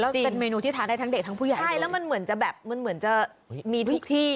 เป็นเมนูที่ทานได้ทั้งเด็กทั้งผู้ใหญ่แล้วมันเหมือนจะแบบมีทุกที่